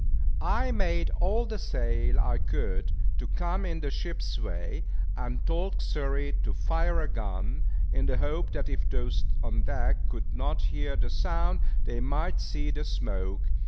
I made all the sail I could to come in the ship's way, and told Xury to fire a gun, in the hope that if those on deck could not hear the sound, they might see the smoke.